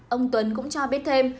ông tuấn cũng cho biết thêm